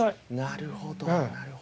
なるほどなるほど。